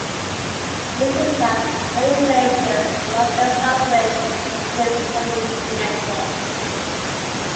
The region has many glaciers, the largest of which is the Touming Mengke.